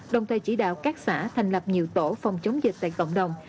đồng thời chỉ đạo các xã thành lập nhiều tổ phòng chống dịch tại cộng đồng